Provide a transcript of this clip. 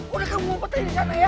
udah kamu ngumpetin disana ya